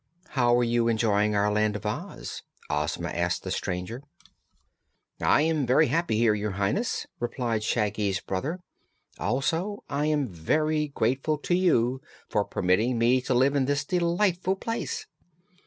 "How are you enjoying our Land of Oz?" Ozma asked the stranger. "I am very happy here, Your Highness," replied Shaggy's brother. "Also I am very grateful to you for permitting me to live in this delightful place."